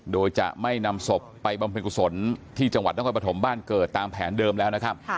โดยจะไม่นำศพไปบำเพ็ญกุศลที่จังหวัดนครปฐมบ้านเกิดตามแผนเดิมแล้วนะครับ